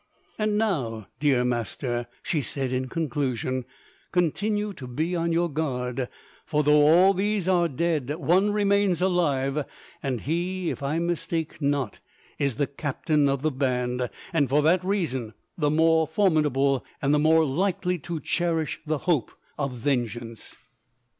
"And now, dear master," she said in conclusion, "continue to be on your guard, for though all these are dead, one remains alive; and he, if I mistake not, is the captain of the band, and for that reason the more formidable and the more likely to cherish the hope of vengeance."